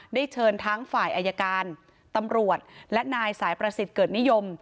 ได้เชิญทั้งฝ่ายอายการตำรวจและนายสายประสิทธิ์เกิดนิยม